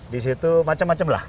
disitu macam macam lah